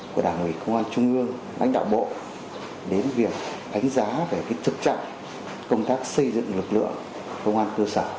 của đảng ủy công an trung ương lãnh đạo bộ đến việc đánh giá về thực trạng công tác xây dựng lực lượng công an cơ sở